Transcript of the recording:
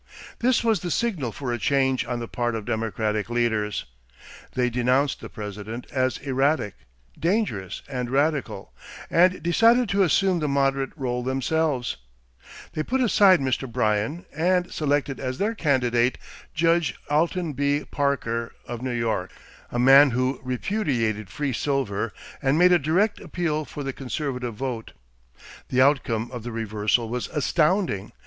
This was the signal for a change on the part of Democratic leaders. They denounced the President as erratic, dangerous, and radical and decided to assume the moderate rôle themselves. They put aside Mr. Bryan and selected as their candidate, Judge Alton B. Parker, of New York, a man who repudiated free silver and made a direct appeal for the conservative vote. The outcome of the reversal was astounding.